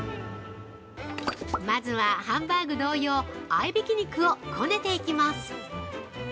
まずはハンバーグ同様、合いびき肉をこねていきます。